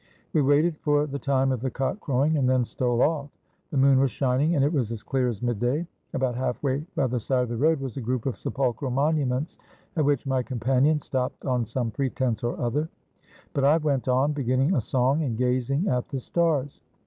We waited for the time of the cock crowing, and then stole off ; the moon was shining, and it was as clear as midday. About half way, by the side of the road, was a group of sepulchral monuments, at which my companion stopped on some pretense or other; but I went on, beginning a song and gazing at the stars.